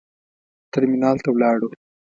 ترمینال ته ولاړو.